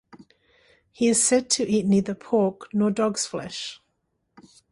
He is said to eat neither pork nor dog's flesh.